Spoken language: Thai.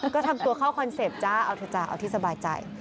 ก็ทำตัวเข้าคอนเซ็ปต์จ้าเอาเถอะจ๊ะเอาที่สบายใจ